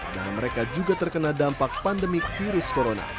dan mereka juga terkena dampak pandemik virus corona